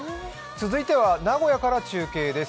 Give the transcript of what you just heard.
続いては名古屋から中継です。